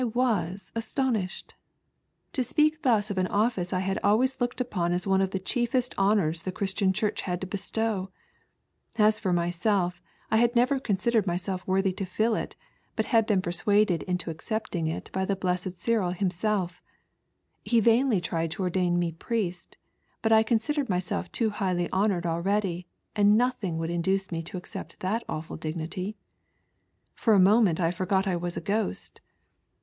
I was astonished. To speak thus of an office I had always looked upon as one of the chiefest honours the Christian Church had to bestow. As for myself I had never considered myself worthy to fill it, but had been persuaded into accepting it by the blessed Cyril himseK. He vainly tried to ordain me priest, but I considered myself too highly honoured aheady, and nothing would induce uie to accept that awful dignity. For a moment I forgot I was a ghost.